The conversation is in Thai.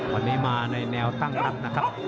วันนี้มาในแนวตั้งลำนะครับ